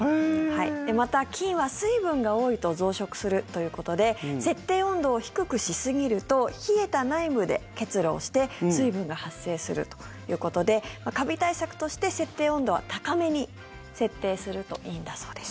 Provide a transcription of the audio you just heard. また、菌は水分が多いと増殖するということで設定温度を低くしすぎると冷えた内部で結露して水分が発生するということでカビ対策として設定温度は高めに設定するといいんだそうです。